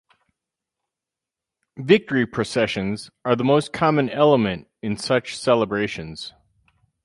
Victory processions are the most common element in such celebrations.